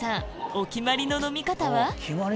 お決まりの飲み方は？